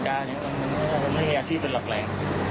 คืออาชีพเป็นหลักแรง